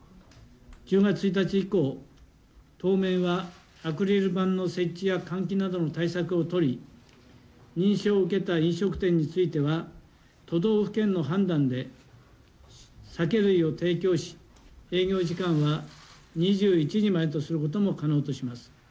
１０月１日以降、当面はアクリル板の設置や換気などの対策を取り、認証を受けた飲食店については、都道府県の判断で酒類を提供し、営業時間は２１時までとすることも可能とします。